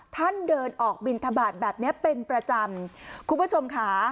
ท่านเดินออกบินทบาทแบบเนี้ยเป็นประจำคุณผู้ชมค่ะ